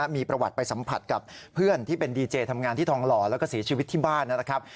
มีประวัติไปสัมผัสกับเพื่อนที่เป็นดีเจทำงานที่ทองหล่อแล้วก็เสียชีวิตที่บ้านนะครับ